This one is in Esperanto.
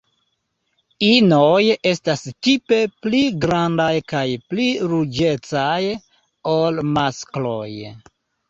Inoj estas tipe pli grandaj kaj pli ruĝecaj ol maskloj.